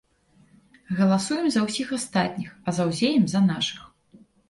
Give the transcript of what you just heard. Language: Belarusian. Галасуем за ўсіх астатніх, а заўзеем за нашых.